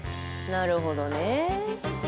なるほどね。